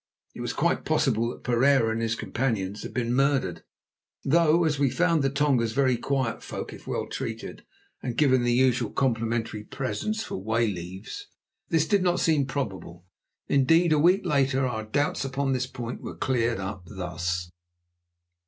It was quite possible that Pereira and his companions had been murdered, though as we found the Tongas very quiet folk if well treated and given the usual complimentary presents for wayleaves, this did not seem probable. Indeed, a week later our doubts upon this point were cleared up thus.